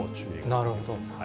なるほど。